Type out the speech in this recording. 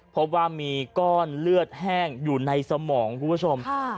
พบว่ามีก้อนเลือดแห้งอยู่ในสมองคุณผู้ชม